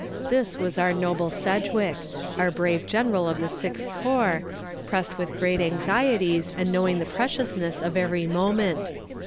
"This was our noble Sedgwick our brave general of the Sixth Corps pressed with great anxieties and knowing the preciousness of every moment.